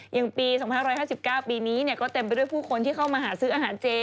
อย่างปี๒๕๕๙ปีนี้ก็เต็มไปด้วยผู้คนที่เข้ามาหาซื้ออาหารเจ